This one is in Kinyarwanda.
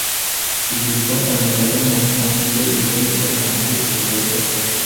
Igihe twatangiraga mu twanditse urutonde rwabantu twifuzaga guha akazi,